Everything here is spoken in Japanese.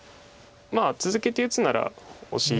続けて打つならオシ。